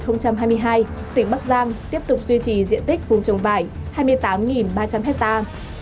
năm hai nghìn hai mươi hai tỉnh bắc giang tiếp tục duy trì diện tích vùng trồng vải hai mươi tám ba trăm linh hectare